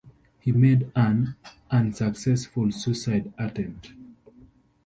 He made an unsuccessful suicide attempt.